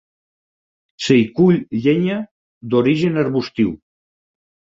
S'hi cull llenya d'origen arbustiu.